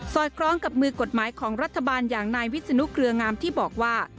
อดคล้องกับมือกฎหมายของรัฐบาลอย่างนายวิศนุเครืองามที่บอกว่า